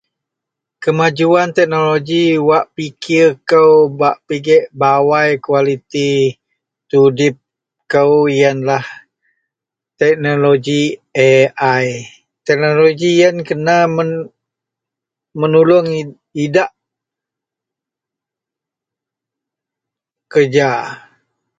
Kemajuwan teknoloji wak pikir kou, bak pigek bawai kualiti tudip kou yenlah teknoloji AI. Teknoloji yen kena men menuluong idak kereja